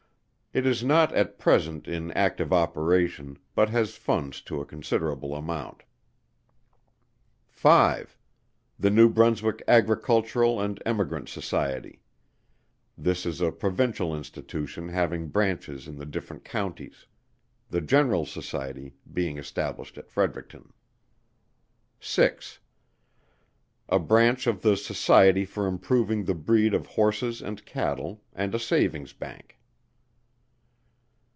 It is not at present in active operation, but has funds to a considerable amount. 5. The New Brunswick Agricultural and Emigrant Society. This is a Provincial Institution having branches in the different Counties. The General Society being established at Fredericton. 6. A Branch of the Society for improving the breed of Horses and Cattle, and a Savings' Bank.